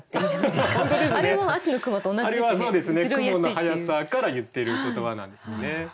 雲の速さからいっている言葉なんですよね。